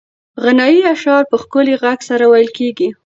غنایي اشعار په ښکلي غږ سره ویل کېږي.